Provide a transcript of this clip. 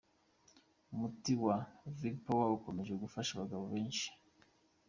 Umuti wa Vigpower ukomeje gufasha abagabo benshi.